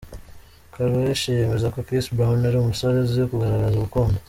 Karrueche yemeza ko Chris Brown ari umusore uzi kugaragaza urukundo.